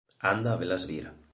Anda a velas vir